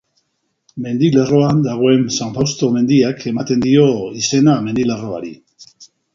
Mendilerroan dagoen San Fausto mendiak ematen dio izena mendilerroari.